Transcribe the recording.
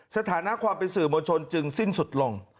สถานะความเป็นสื่อมวลชนจึงสิ้นสุดลง